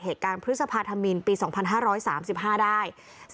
เหตุการณ์พฤษภาธมินปี๒๕๓๕ได้